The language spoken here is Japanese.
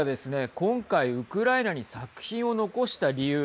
今回ウクライナに作品を残した理由。